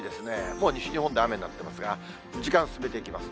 もう西日本で雨になってますが、時間進めていきます。